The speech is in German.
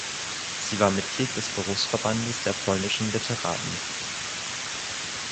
Sie war Mitglied des Berufsverbandes der Polnischen Literaten.